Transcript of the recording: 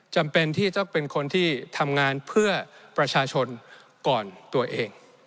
จำเป็นที่ต้องเป็นคนที่ทำงานเพื่อประชาชนก่อนตัวเอง